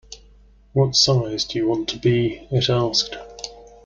‘What size do you want to be?’ it asked.